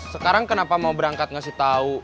sekarang kenapa mau berangkat ngasih tahu